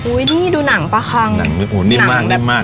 อุ้ยนี่ดูหนังปลาคางหนังอู๋นิ่มมากนิ่มมาก